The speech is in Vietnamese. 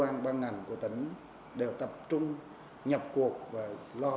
và các cơ quan ban ngành của tỉnh đều tập trung nhập cuộc và lo cho chính sách dân tộc tiểu số